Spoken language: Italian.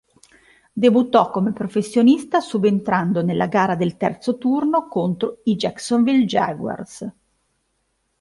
Debuttò come professionista subentrando nella gara del terzo turno contro i Jacksonville Jaguars.